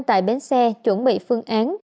tại bến xe chuẩn bị phương án